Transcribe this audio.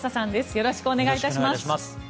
よろしくお願いします。